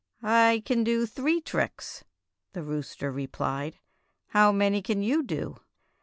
"I can do three tricks," the rooster re plied. "How many can you do?'